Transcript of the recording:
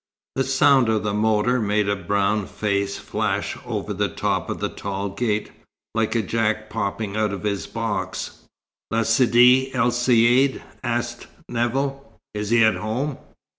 The sound of the motor made a brown face flash over the top of the tall gate, like a Jack popping out of his box. "La Sidi, el Caïd?" asked Nevill. "Is he at home?"